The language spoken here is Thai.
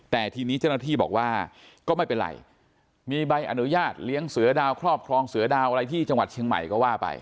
แต่ทีนี้เจ้าหน้าที่บอกว่าก็ไม่เป็นไรมีใบอนุญาตเลี้ยงเสือดาวครอบครองเสือดาวอะไรที่จังหวัดเชียงใหม่ก็ว่าไป